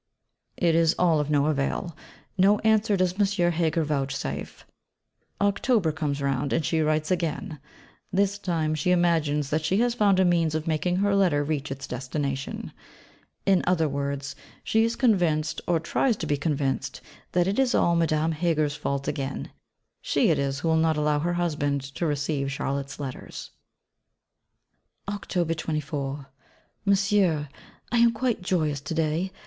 It is all of no avail! No answer does M. Heger vouchsafe. October comes round, and she writes again. This time she imagines that she has found a means of making her Letter reach its destination. In other words, she is convinced, or tries to be convinced, that it is all Madame Heger's fault again; she it is who will not allow her husband to receive Charlotte's Letters. October 24. Monsieur I am quite joyous to day.